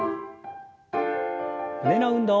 胸の運動。